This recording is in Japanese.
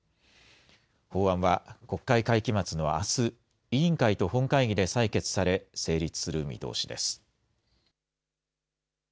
法案は国会会期末のあす、委員会と本会議で採決され、成立する見通しです。